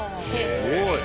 すごい。